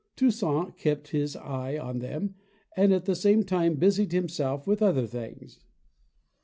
Toussaint kept his eye on them and at the same time busied himself with other things.